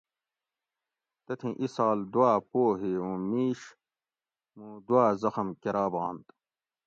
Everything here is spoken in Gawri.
تتھیں اِسال دوا پوہ ھی اُوں میش موں دوا زخم کرابانت